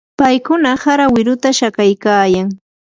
paykuna hara wiruta shakaykaayan.